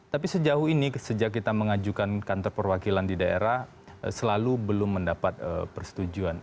tapi sejauh ini sejak kita mengajukan kantor perwakilan di daerah selalu belum mendapat persetujuan